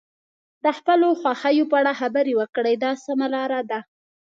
د خپلو خوښیو په اړه خبرې وکړئ دا سمه لاره ده.